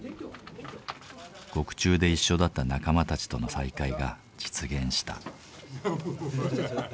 獄中で一緒だった仲間たちとの再会が実現した。